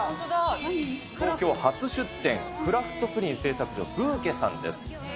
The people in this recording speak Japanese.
東京初出店、クラフトプリン製作所ブーケさんです。